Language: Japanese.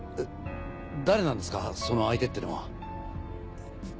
誰なんですかその相手ってのは。